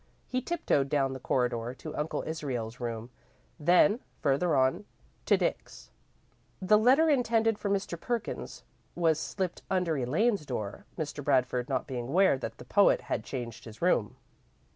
He tiptoed down the corridor to Uncle Israel's room, then, further on, to Dick's. The letter intended for Mr. Perkins was slipped under Elaine's door, Mr. Bradford not being aware that the poet had changed his room.